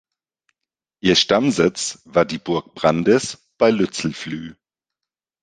Ihr Stammsitz war die Burg Brandis bei Lützelflüh.